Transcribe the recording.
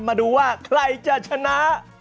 มาดูว่าใครจะชนะ